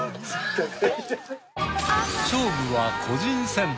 勝負は個人戦。